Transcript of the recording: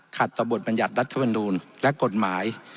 ต่อบทบรรยัติรัฐมนูลและกฎหมาย